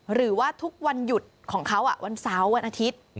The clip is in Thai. หรือว่าทุกวันหยุดของเขาวันเสาร์วันอาทิตย์